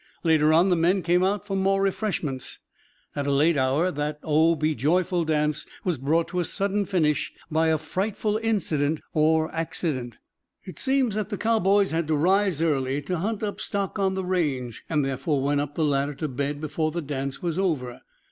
Later on the men came out for more refreshments. At a late hour that "O be joyful dance" was brought to a sudden finish by a frightful incident, or accident. It seems that the cowboys had to rise early to hunt up stock on the range, and therefore went up the ladder to bed before the dance was over.